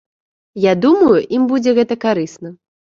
Я думаю, ім будзе гэта карысна.